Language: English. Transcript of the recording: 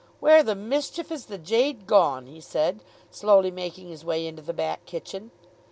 "Where the mischief is the jade gone?" he said, slowly making his way into the back kitchen.